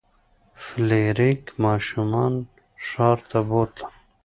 فلیریک ماشومان ښار ته بوتلل.